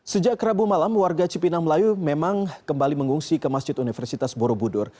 sejak rabu malam warga cipinang melayu memang kembali mengungsi ke masjid universitas borobudur